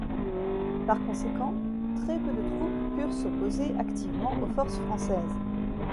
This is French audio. Par conséquent, très peu de troupes purent s'opposer activement aux forces françaises.